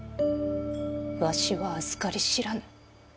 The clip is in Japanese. わしは、あずかり知らぬ。